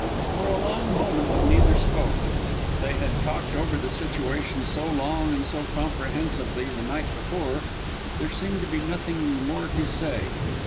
For a long moment neither spoke. They had talked over the situation so long and so comprehensively the night before that there seemed to be nothing more to say.